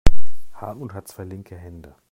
Hartmut hat zwei linke Hände.